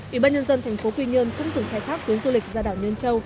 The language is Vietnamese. ủy ban nhân dân tp quy nhơn cũng dừng khai thác tuyến du lịch ra đảo nhân châu